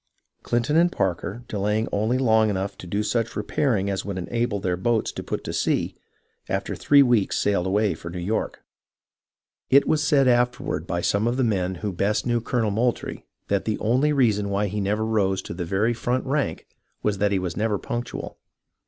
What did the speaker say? Clinton and Parker, delaying only long enough to do such repairing as would enable their boats to put to sea, after three weeks sailed away for New York. It was said afterward by some of the men who best knew Colonel Moultrie, that the only reason why he never rose to the very front rank was that he was never punctual.